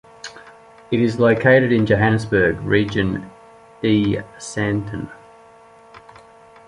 It is located in Johannesburg, Region E, Sandton.